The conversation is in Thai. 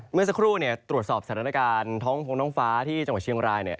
เมื่อสักครู่ตรวจสอบสถานการณ์ท้องฟงท้องฟ้าที่จังหวัดเชียงรายเนี่ย